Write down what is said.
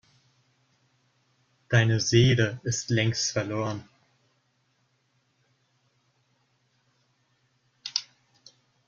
Deine Seele ist längst verloren.